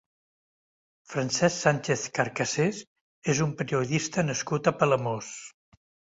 Francesc Sánchez Carcassés és un periodista nascut a Palamós.